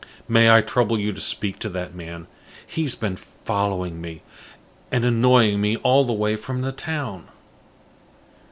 May I trouble you to speak to that man? He has been following me, and annoying me all the way from the town."